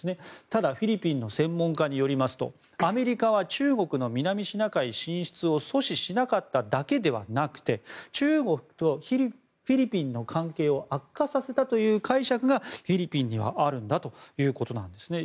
ただ、フィリピンの専門家によりますとアメリカは中国の南シナ海進出を阻止しなかっただけではなくて中国とフィリピンの関係を悪化させたという解釈がフィリピンにはあるんだということなんですね。